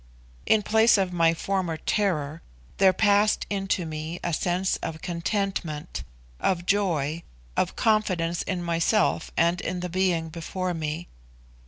In place of my former terror there passed into me a sense of contentment, of joy, of confidence in myself and in the being before me.